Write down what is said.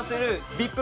ＶＩＰ